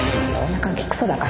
女関係クソだから。